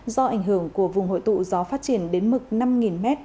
do ảnh hưởng của vùng hội tụ gió phát triển đến mực năm m